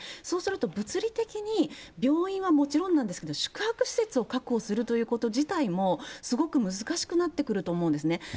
そうすると物理的に病院はもちろんなんですけれども、宿泊施設を確保するということ自体もすごく難しくなってくると思うんですね。